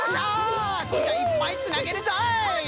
そんじゃいっぱいつなげるぞい。